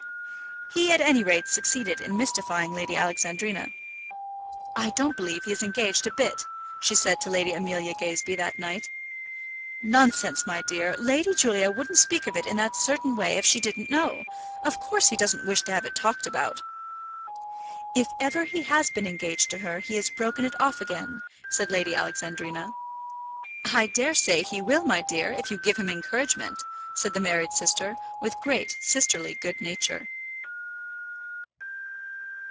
He at any rate succeeded in mystifying Lady Alexandrina. "I don't believe he is engaged a bit," she said to Lady Amelia Gazebee that night. "Nonsense, my dear. Lady Julia wouldn't speak of it in that certain way if she didn't know. Of course he doesn't wish to have it talked about." "If ever he has been engaged to her, he has broken it off again," said Lady Alexandrina. "I dare say he will, my dear, if you give him encouragement," said the married sister, with great sisterly good nature.